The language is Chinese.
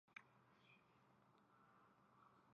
朝格特巴特尔曾任蒙古国外交部多边合作司副司长。